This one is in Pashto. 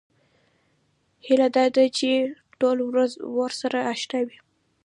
هیله دا ده چې ټول ورسره اشنا وي.